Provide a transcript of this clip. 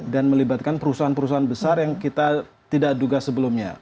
melibatkan perusahaan perusahaan besar yang kita tidak duga sebelumnya